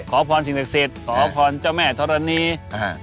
ขอพรสิ่งศักดิ์สิทธิ์ขอพรเจ้าแม่ธรณี